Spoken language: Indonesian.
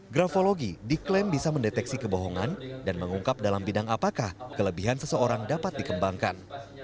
grafologi diklaim bisa mendeteksi kebohongan dan mengungkap dalam bidang apakah kelebihan seseorang dapat dikembangkan